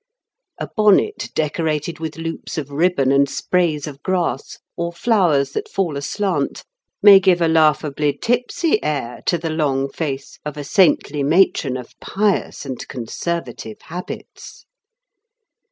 A bonnet decorated with loops of ribbon and sprays of grass, or flowers that fall aslant, may give a laughably tipsy air to the long face of a saintly matron of pious and conservative habits.